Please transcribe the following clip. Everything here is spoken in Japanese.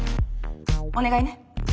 お願いね。